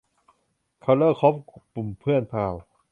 เค้าเลิกคบกับกลุ่มเพื่อนเก่า